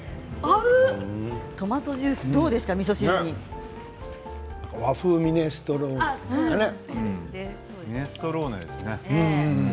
トマトジュース和風ミネストローネというミネストローネですね。